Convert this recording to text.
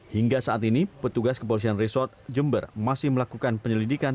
hingga saat ini petugas kepolisian resort jember masih melakukan penyelidikan